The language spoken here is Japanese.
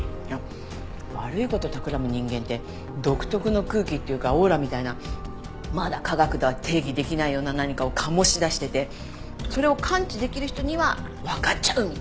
悪い事をたくらむ人間って独特の空気っていうかオーラみたいなまだ科学では定義できないような何かを醸し出しててそれを感知できる人にはわかっちゃうみたいな。